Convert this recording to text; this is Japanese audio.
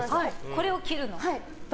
これを切るの？